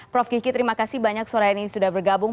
prof kiki terima kasih banyak sore ini sudah bergabung